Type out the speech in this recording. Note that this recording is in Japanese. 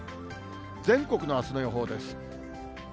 全国のあすの予報です。